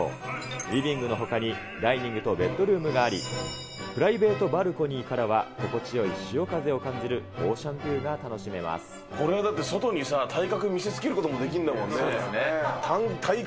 リビングのほかにダイニングとベッドルームがあり、プライベートバルコニーからは心地よい潮風を感じるオーシャンビこれはだって外にさ、体格見せつけることもできるんだもんね。